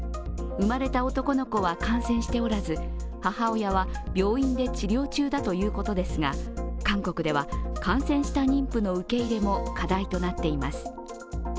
生まれた男の子は感染しておらず、母親は病院で治療中だということですが韓国では感染した妊婦の受け入れも課題となっています。